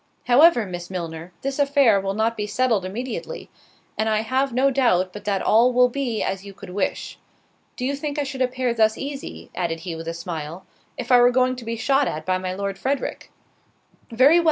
However, Miss Milner, this affair will not be settled immediately, and I have no doubt, but that all will be as you could wish. Do you think I should appear thus easy," added he with a smile, "if I were going to be shot at by my Lord Frederick?" "Very well!"